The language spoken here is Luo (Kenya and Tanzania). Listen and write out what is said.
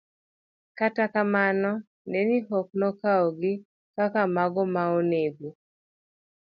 Kata kamano, ne ni ok okawgi kaka mago ma onego